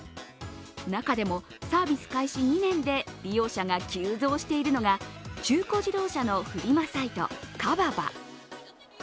中でもサービス開始２年で利用者が急増しているのが中古自動車のフリマサイト、カババ